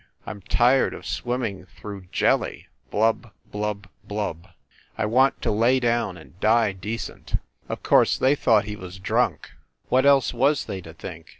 I m tired of swimming through jelly blub, blub blub I want to lay down and die decent." Of course they thought he was drunk. What else was they to think?